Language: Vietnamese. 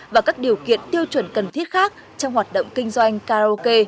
và các điều kiện tiêu chuẩn cần thiết khác trong hoạt động kinh doanh karaoke